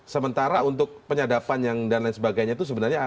sementara untuk penyadapan dan lain sebagainya itu sebenarnya ada